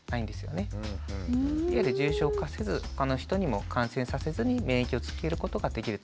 いわゆる重症化せずほかの人にも感染させずに免疫をつけることができると。